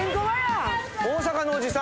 大阪のおじさん